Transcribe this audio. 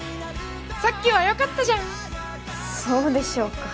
さっきはよかったじゃんそうでしょうか